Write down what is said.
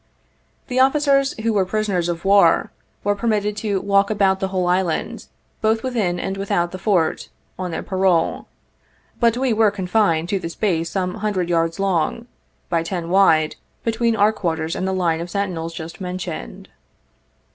The officers who were prisoners of war, were permitted to walk about the whole island, both within and without the Fort, on their parole; but we were confined to the space some hundred yards long, by ten wide, between our quarters and the line of sentinels just mentioned.